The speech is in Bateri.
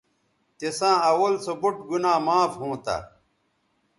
تِساں اول سو بُوٹ گنا معاف ھونتہ